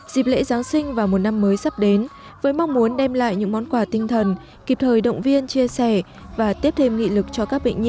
dịp lễ giáng sinh và một năm mới sắp đến với mong muốn đem lại những món quà tinh thần kịp thời động viên chia sẻ và tiếp thêm nghị lực cho các bệnh nhi